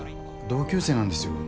同級生なんですよ中学の。